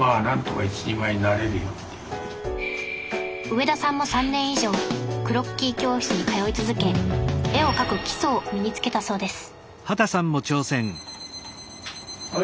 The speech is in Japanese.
上田さんも３年以上クロッキー教室に通い続け絵を描く基礎を身につけたそうです